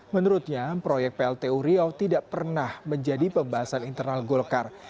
menurutnya proyek pltu riau tidak pernah menjadi pembahasan internal golkar